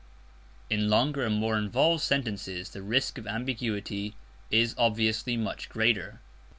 In longer and more involved sentences the risk of ambiguity is obviously much greater.